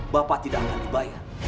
bapak tidak akan dibayar